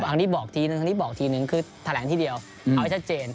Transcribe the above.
อันนี้บอกทีนึงอันนี้บอกทีนึงคือแถลงทีเดียวเอาให้ชัดเจน